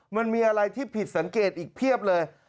มันมีอะไรที่ผิดสังเกตอีกเพียบเลย